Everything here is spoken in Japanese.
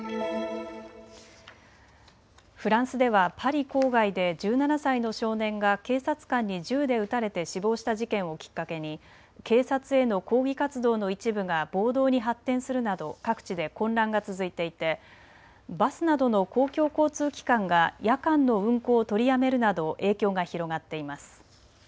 フランスではパリ郊外で１７歳の少年が警察官に銃で撃たれて死亡した事件をきっかけに警察への抗議活動の一部が暴動に発展するなど各地で混乱が続いていてバスなどの公共交通機関が夜間の運行を取りやめるなど影響が広がっています。